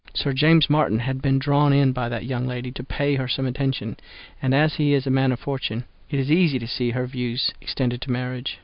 Sir James Martin had been drawn in by that young lady to pay her some attention; and as he is a man of fortune, it was easy to see her views extended to marriage.